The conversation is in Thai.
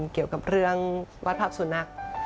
เกี่ยวกับเรื่องวาดภาพสุนัข